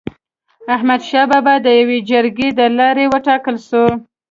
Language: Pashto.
احمد شاه بابا د يوي جرګي د لاري و ټاکل سو.